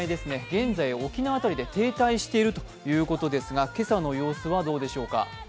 現在沖縄辺りで停滞しているということですが、今朝の様子はどうでしょうか。